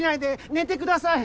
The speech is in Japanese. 寝てください！